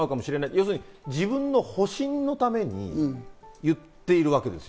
要するに自分の保身のために言ってるわけです。